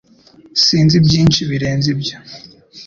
Sinzi byinshi birenze ibyo